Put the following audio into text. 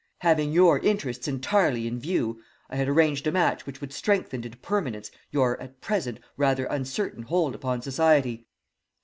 Having your interests entirely in view, I had arranged a match which would strengthen into permanence your, at present, rather uncertain hold upon society.